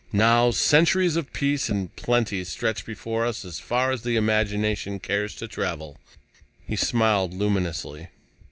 Now centuries of peace and plenty stretch before us as far as the imagination cares to travel." He smiled luminously.